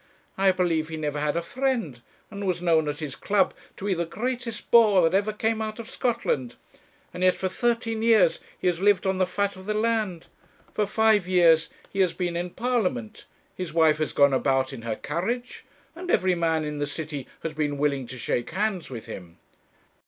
I believe he never had a friend, and was known at his club to be the greatest bore that ever came out of Scotland; and yet for thirteen years he has lived on the fat of the land; for five years he has been in Parliament, his wife has gone about in her carriage, and every man in the city has been willing to shake hands with him.'